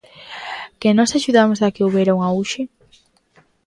Que nós axudamos a que houbera un auxe?